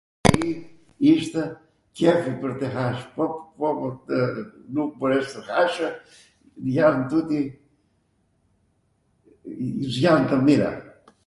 ishtw qefi pwr tw hash, po nukw mbores tw hashw, jan tuti, z'jan tw mira.